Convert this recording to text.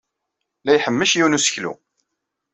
La iḥemmec yiwen n useklu.